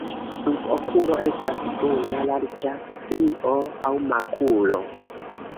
Sub okulo estas bruna larĝa strio aŭ makulo.